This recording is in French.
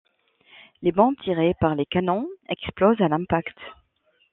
Les bombes tirés par les canons explosent à l'impact.